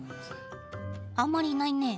あんまりいないね。